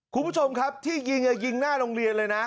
คุณผู้ชมครับที่ยิงยิงหน้าโรงเรียนเลยนะ